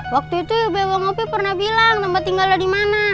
waktu itu ibu abang opi pernah bilang tempat tinggalnya dimana